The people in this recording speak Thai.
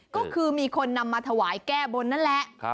ก็คือมีคนนำมาถวายแก้บนนั่นแหละ